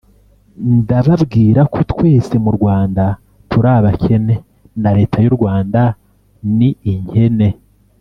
ndababwira ko twese mu Rwanda turi abakene na leta y’u Rwanda ni inkene